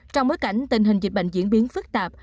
trong bối cảnh tình hình dịch bệnh diễn biến phức tạp